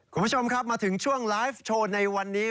คุณผู้ชมครับมาถึงช่วงไลฟ์โชว์ในวันนี้